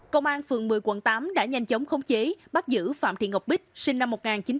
công an phường một mươi quận tám đã nhanh chóng khống chế bắt giữ phạm thị ngọc bích sinh năm một nghìn chín trăm tám mươi